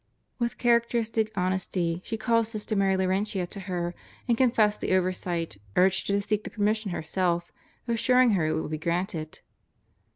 With characteristic honesty she called Sister Mary Laurentia to her and confessed the oversight, urged her to seek the permission herself, assuring her it would be granted.